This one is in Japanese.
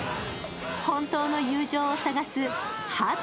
本当の友情を探すハート